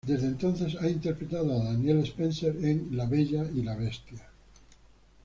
Desde entonces ha interpretado a Danielle Spencer en "The Bold and the Beautiful".